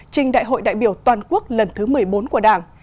trình đại hội đại biểu toàn quốc lần thứ một mươi bốn của đảng